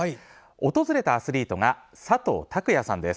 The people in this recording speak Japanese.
訪れたアスリートが佐藤託矢さんです。